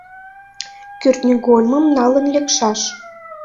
Кӱртньыгольмым налын лекшаш.